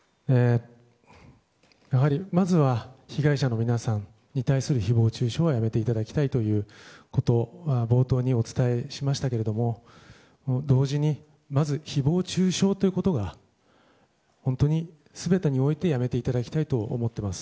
やはりまずは被害者の皆さんに対する誹謗中傷はやめていただきたいということは冒頭にお伝えしましたけど同時にまず誹謗中傷ということが本当に全てにおいてやめていただきたいと思っております。